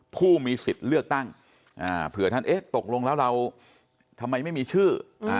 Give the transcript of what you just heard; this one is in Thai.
ผู้มีสิทธิ์เลือกตั้งเผื่อท่านเอ๊ะตกลงแล้วเราทำไมไม่มีชื่อ